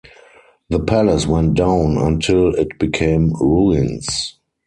The palace went down until it became ruins.